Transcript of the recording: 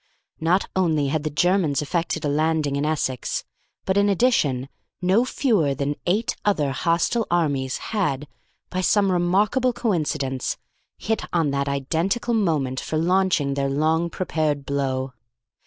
Not only had the Germans effected a landing in Essex, but, in addition, no fewer than eight other hostile armies had, by some remarkable coincidence, hit on that identical moment for launching their long prepared blow.